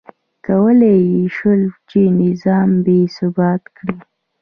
کولای یې شول چې نظام بې ثباته کړي.